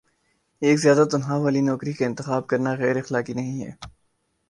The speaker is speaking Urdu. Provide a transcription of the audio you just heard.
ایک زیادہ تنخواہ والی نوکری کا انتخاب کرنا غیراخلاقی نہیں ہے